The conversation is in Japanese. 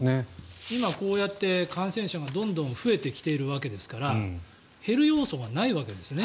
今、こうやって感染者がどんどん増えてきているわけですから減る要素がないわけですね。